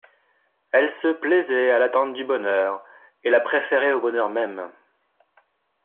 Elle se plaisait à l'attente du bonheur, et la préférait au bonheur même.